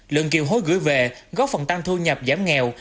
lượng kiều hối gửi về góp phần tăng thu nhập giảm nghèo